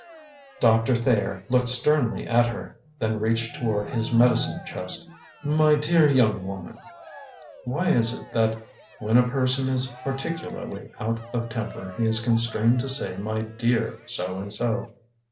Doctor Thayer looked sternly at her, then reached toward his medicine chest. "My dear young woman " (Why is it that when a person is particularly out of temper, he is constrained to say My Dear So and So?)